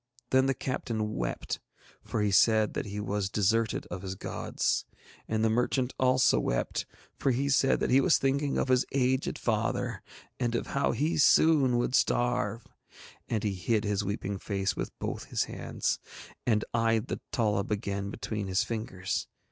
Then the captain wept, for he said that he was deserted of his gods; and the merchant also wept, for he said that he was thinking of his aged father, and of how he soon would starve, and he hid his weeping face with both his hands, and eyed the tollub again between his fingers.